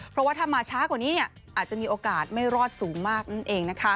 เพราะว่าถ้ามาช้ากว่านี้อาจจะมีโอกาสไม่รอดสูงมากนั่นเอง